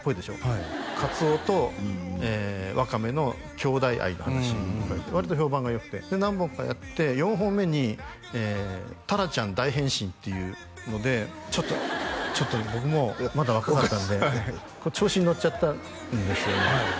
はいカツオとワカメの兄弟愛の話割と評判が良くて何本かやって４本目に「タラちゃん大変身」っていうのでちょっと僕もまだ若かったんで調子に乗っちゃったんですよ